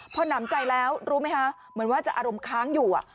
พอหนำใจแล้วรู้ไหมคะเหมือนว่าจะอารมณ์ค้างอยู่